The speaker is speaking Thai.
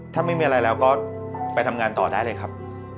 ถ้าไม่มีอะไรแล้วก็ไปทำงานต่อได้เลยครับ